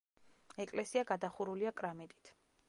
ეკლესია გადახურულია კრამიტით.